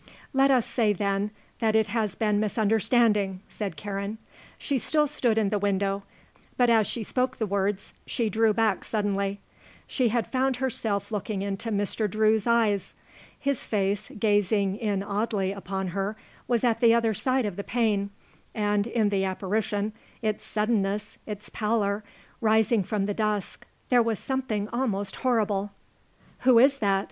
"Let us say, then, that it has been misunderstanding," said Karen. She still stood in the window, but as she spoke the words she drew back suddenly. She had found herself looking into Mr. Drew's eyes. His face, gazing in oddly upon her, was at the other side of the pane, and, in the apparition, its suddenness, its pallor, rising from the dusk, there was something almost horrible. "Who is that?"